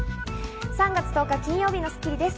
３月１０日、金曜日の『スッキリ』です。